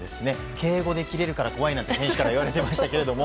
敬語でキレるから怖いなんて言われていましたけども。